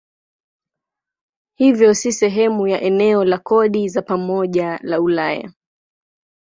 Hivyo si sehemu ya eneo la kodi za pamoja la Ulaya.